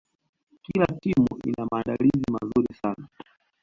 kila timu ina maandalizi mazuri sana